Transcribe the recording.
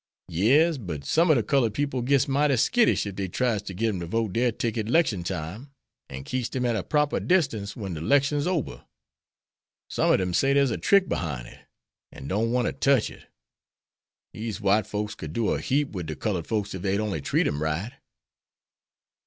"Yes, but some ob de culled people gits mighty skittish ef dey tries to git em to vote dare ticket 'lection time, an' keeps dem at a proper distance wen de 'lection's ober. Some ob dem say dere's a trick behine it, an' don't want to tech it. Dese white folks could do a heap wid de culled folks ef dey'd only treat em right."